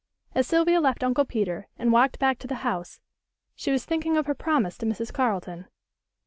As Sylvia left Uncle Peter and walked back to the house she was thinking of her promise to Mrs. Carleton.